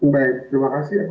baik terima kasih